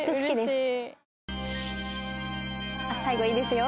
最後いいですよ！